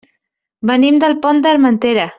Venim del Pont d'Armentera.